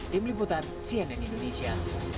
tim liputan cnn indonesia